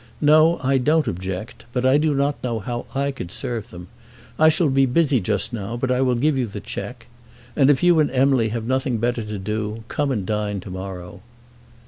"No; I don't object. But I do not know how I could serve them. I shall be busy just now, but I will give you the cheque. And if you and Emily have nothing better to do, come and dine to morrow."